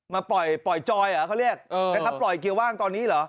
มาปล่อยจอยเหรอเขาเรียกนะครับปล่อยเกียร์ว่างตอนนี้เหรอ